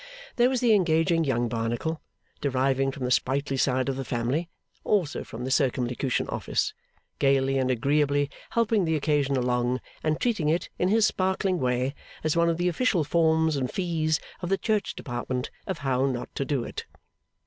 There was the engaging Young Barnacle, deriving from the sprightly side of the family, also from the Circumlocution Office, gaily and agreeably helping the occasion along, and treating it, in his sparkling way, as one of the official forms and fees of the Church Department of How not to do it.